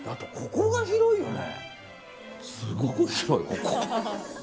ここが広いよね。